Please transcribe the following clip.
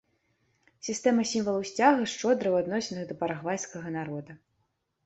Сістэма сімвалаў сцяга шчодрая ў адносінах да парагвайскага народа.